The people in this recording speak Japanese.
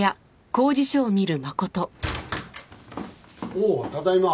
おおただいま。